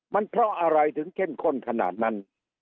มันเพราะอะไรถึงเข้มข้นขนาดนั้น